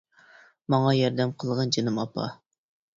ماڭا ياردەم قىلغىن جېنىم ئاپا!